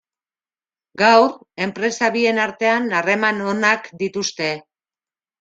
Gaur, enpresa bien artean harreman onak dituzte.